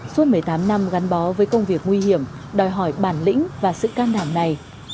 suốt một mươi tám năm gắn bó với công việc nguy hiểm đòi hỏi bản lĩnh và sự can đảm này